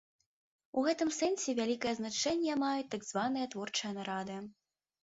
У гэтым сэнсе вялікае значэнне маюць так званыя творчыя нарады.